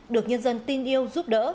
được nhân dân tin yêu giúp đỡ